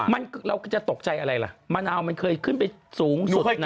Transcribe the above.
มันเราจะตกใจอะไรล่ะมะนาวมันเคยขึ้นไปสูงสุดนะ